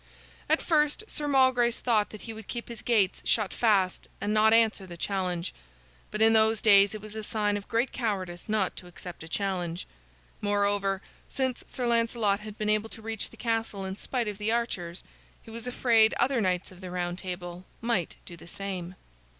At first Sir Malgrace thought that he would keep his gates shut fast and not answer the challenge. But in those days it was a sign of great cowardice not to accept a challenge. Moreover, since Sir Lancelot had been able to reach the castle in spite of the archers, he was afraid other knights of the Round Table might do the same.